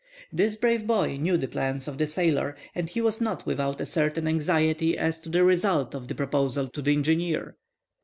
This brave boy knew the plans of the sailor, and he was not without a certain anxiety as to the result of the proposal to the engineer.